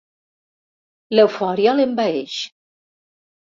L'eufòria l'envaeix.